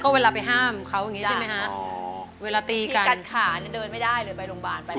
เวลาไปห้ามเขาอย่างนี้ใช่ไหมคะเวลาตีกันขาเนี่ยเดินไม่ได้เลยไปโรงพยาบาลไปเลย